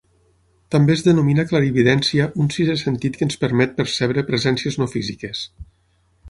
També es denomina clarividència un sisè sentit que ens permet percebre presències no físiques.